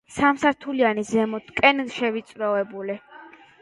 სამსართულიანი, ზემოთკენ შევიწროებული.